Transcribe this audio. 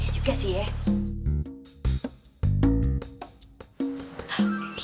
iya juga sih ya